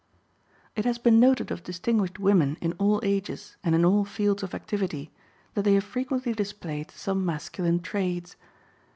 It has been noted of distinguished women in all ages and in all fields of activity that they have frequently displayed some masculine traits.